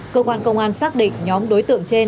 cơ quan công an xác định nhóm đối tượng trên